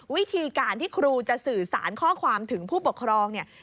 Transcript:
วิธีการที่ครูจะสื่อสารข้อความถึงผู้ปกครองเนี่ย